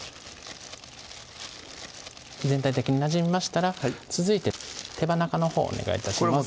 全体的になじみましたら続いて手羽中のほうお願いします